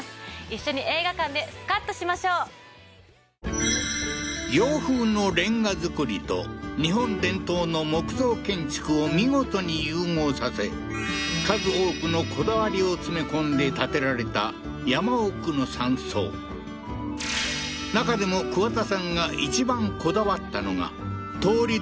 一緒に映画館でスカッとしましょう洋風のレンガ造りと日本伝統の木造建築を見事に融合させ数多くのこだわりを詰め込んで建てられた山奥の山荘中でも桑田さんが一番こだわったのが通り